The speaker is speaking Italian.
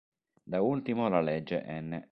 Da ultimo la legge n.